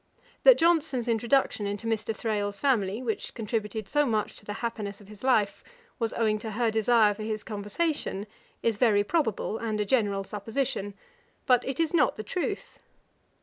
That Johnson's introduction into Mr. Thrale's family, which contributed so much to the happiness of his life, was owing to her desire for his conversation, is very probable and a general supposition: but it is not the truth.